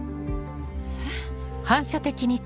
えっ？